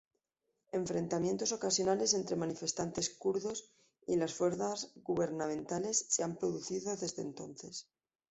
Enfrentamientos ocasionales entre manifestantes kurdos y las fuerzas gubernamentales se han producido desde entonces.